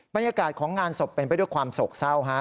บรรยากาศของงานศพเป็นไปด้วยความโศกเศร้า